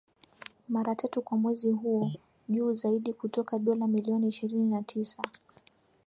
Mara tatu kwa mwezi huo, juu zaidi kutoka dola milioni ishirini na tisa